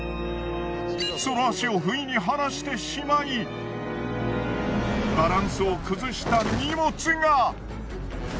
その足を不意に離してしまいバランスを崩した荷物が。